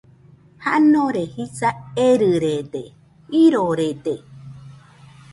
Janore jisa erɨrede, jirorede